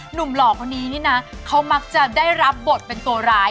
หล่อคนนี้นี่นะเขามักจะได้รับบทเป็นตัวร้าย